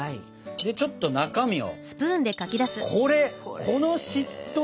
ちょっと中身を。